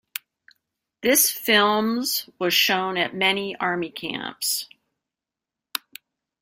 This films was shown at many Army Camps.